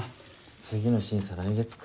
次の審査来月か。